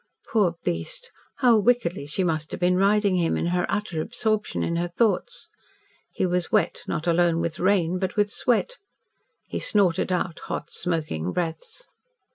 Poor beast! how wickedly she must have been riding him, in her utter absorption in her thoughts. He was wet, not alone with rain, but with sweat. He snorted out hot, smoking breaths.